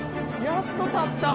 やっと立った。